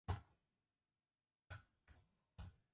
存敬修盟而退。